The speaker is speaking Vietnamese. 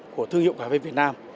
của thương hiệu đặc sản